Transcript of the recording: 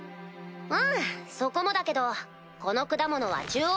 うんそこもだけどこの果物は獣王。